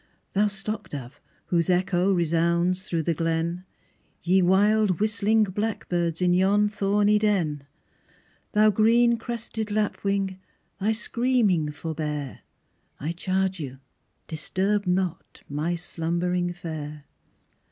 Thou stock dove whose echo resounds thro' the glen, Ye wild whistling blackbirds in yon thorny den, Thou green crested lapwing, thy screaming forbear, I charge you disturb not my slumbering fair.